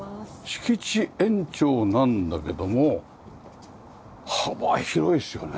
敷地延長なんだけども幅広いですよね。